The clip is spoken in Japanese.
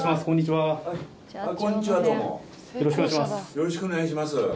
よろしくお願いします。